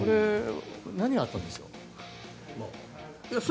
何があったんでしょう？